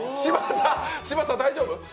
嶋佐大丈夫？